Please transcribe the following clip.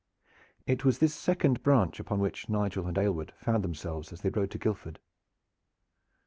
It was this second branch upon which Nigel and Aylward found themselves as they rode to Guildford.